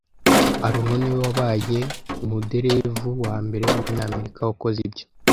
Arnold niwe wabaye umuderevu wambere wumunyamerika wakoze ibyo